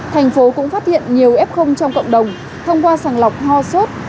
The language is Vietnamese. thành phố cũng phát hiện nhiều f trong cộng đồng thông qua sàng lọc ho sốt